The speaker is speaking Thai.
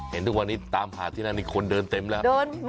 เห็นทุกวันนี้ตามหาที่นั่นนี่คนเดินเต็มแล้ว